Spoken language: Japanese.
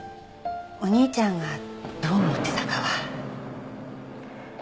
お兄ちゃんがどう思ってたかは。